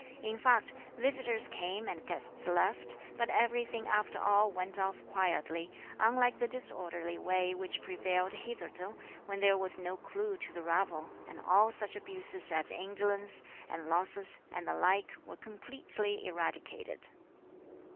In fact, visitors came and guests left, but everything after all went off quietly, unlike the disorderly way which prevailed hitherto, when there was no clue to the ravel; and all such abuses as indolence, and losses, and the like were completely eradicated.